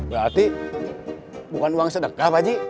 berarti bukan uang sedekah aja